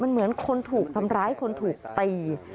มันเหมือนคนถูกทำร้ายคนถูกตี